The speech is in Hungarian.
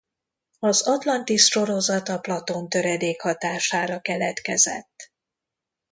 Az Atlantisz sorozat a Platón töredék hatására keletkezett.